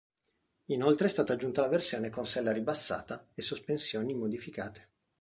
Inoltre è stata aggiunta la versione con sella ribassata e sospensioni modificate.